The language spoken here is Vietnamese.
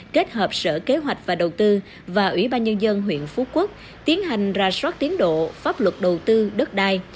kết hợp sở kế hoạch và đầu tư và ủy ban nhân dân huyện phú quốc tiến hành ra soát tiến độ pháp luật đầu tư đất đai